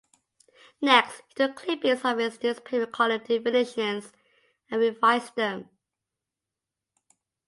Next he took clippings of his newspaper column definitions and revised them.